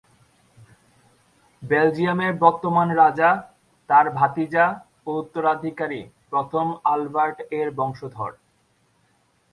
বেলজিয়ামের বর্তমান রাজা, তার ভাতিজা ও উত্তরাধিকারী প্রথম আলবার্ট এর বংশধর।